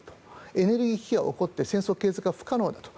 エネルギー危機が起こって戦争継続は不可能だと。